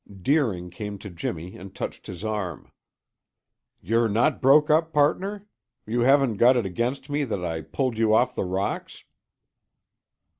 Deering came to Jimmy and touched his arm. "You're not broke up, partner? You haven't got it against me that I pulled you off the rocks?"